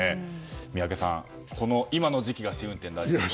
宮家さん、今の時期が試運転大事だそうです。